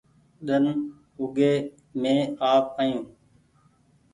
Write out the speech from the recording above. ۮن اوڳي مينٚ آپ آيو